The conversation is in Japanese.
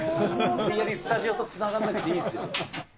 無理やりスタジオとつなげなくていいですよ。